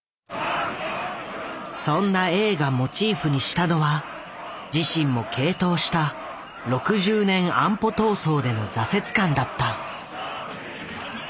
そんな永がモチーフにしたのは自身も傾倒した６０年安保闘争での挫折感だった。